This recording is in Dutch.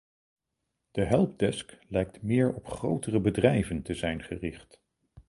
De helpdesk lijkt meer op grotere bedrijven te zijn gericht.